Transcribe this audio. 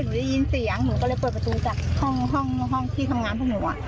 หนูได้ยินเสียงหนูก็เลยเปิดประตูจากห้องห้องห้องที่ทำงานพวกหนูอ่ะ